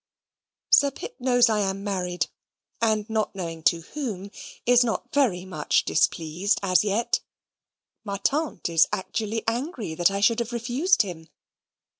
Sir Pitt knows I am married, and not knowing to whom, is not very much displeased as yet. Ma tante is ACTUALLY ANGRY that I should have refused him.